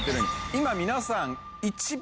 今皆さん。